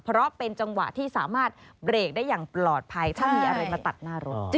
เพราะเป็นจังหวะที่สามารถเบรกได้อย่างปลอดภัยถ้ามีอะไรมาตัดหน้ารถ